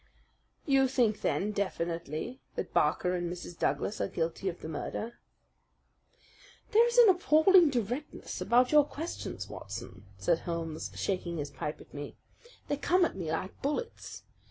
"You think then, definitely, that Barker and Mrs. Douglas are guilty of the murder?" "There is an appalling directness about your questions, Watson," said Holmes, shaking his pipe at me. "They come at me like bullets.